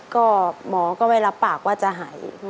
ก็หมอก็ไม่รับปากว่าจะหาย